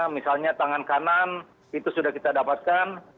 misalnya tangan kanan itu sudah kita dapatkan